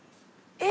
えっ？